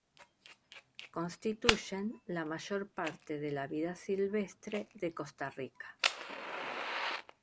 Constituyen la mayor parte de la vida silvestre de Costa Rica.